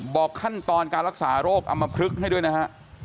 บอกขั้นตอนการรักษาโรคอำมพลึกให้ด้วยนะฮะ